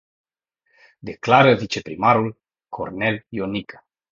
Declară viceprimarul Cornel Ionică.